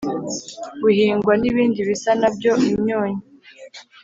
Buhingwa n ibindi bisa na byo imyunyu